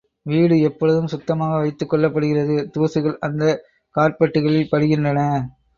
வீடு எப்பொழுதும் சுத்தமாக வைத்துக் கொள்ளப்படுகிறது தூசுகள் அந்தக் கார்ப்பெட்டுகளில் படிகின்றன.